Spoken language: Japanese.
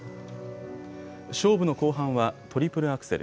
勝負の後半はトリプルアクセル。